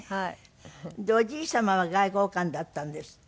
おじい様は外交官だったんですって？